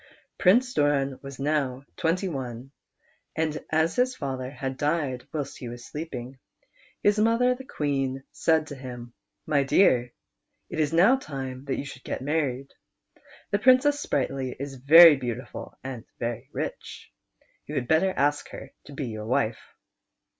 Prince Doran was now twent\ one, and as his father had died whilst he was sleeping, his mother the Queen said to him :" My dear, it is now time that you should get married. The Princess Sprightly is very beautiful and very rich ; you had better ask her to be your wife."